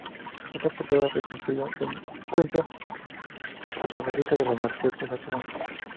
Esta portada, reconstruida se encuentra en la Basílica de la Merced de Barcelona.